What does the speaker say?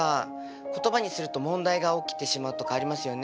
言葉にすると問題が起きてしまうとかありますよね。